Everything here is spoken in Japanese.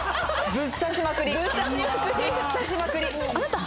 ブッ刺しまくり。